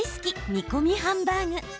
煮込みハンバーグ。